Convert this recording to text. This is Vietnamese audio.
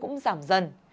cũng giảm dần